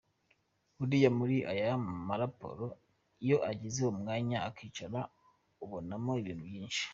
Buriya muri ariya maraporo iyo ugize umwanya ukicara ubonamo ibintu byinshi.